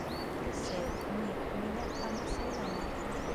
— Әсәй, ни, миңә ҡамасаулама.